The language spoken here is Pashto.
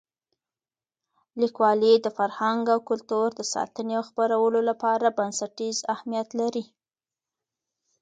لیکوالی د فرهنګ او کلتور د ساتنې او خپرولو لپاره بنسټیز اهمیت لري.